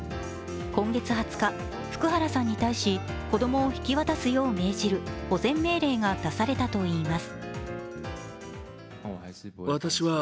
今月２０日、福原さんに対し、子供を引き渡すよう命じる保全命令が出されたといいます。